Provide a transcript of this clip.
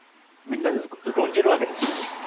みんなで論じるわけですよ